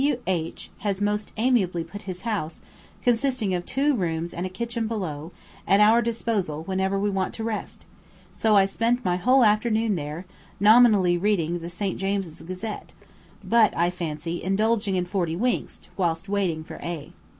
W. H has most amiably put his house, consisting of two rooms and a kitchen below, at our disposal whenever we want to rest; so I spent my whole afternoon there, nominally reading the "St. James's Gazette," but, I fancy, indulging in "forty winks" whilst waiting for A